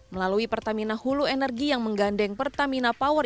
melalui pertamina hulu energi yang menggandeng pertamina power